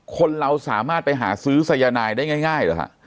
คนเราสามารถไปหาซื้อสายนายได้ง่ายหรือฮะ